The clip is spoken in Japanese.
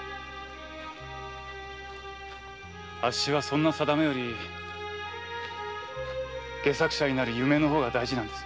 あっしはそんな定めより戯作者になる夢が大事なんです。